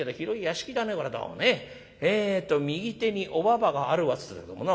えっと右手にお馬場があるわっつってたけどもな。